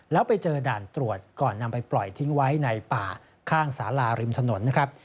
แล้วไปเจอด่านตรวจก่อนนำไปปล่อยทิ้งไว้ในป่าข้างสาราริมถนนนะครับ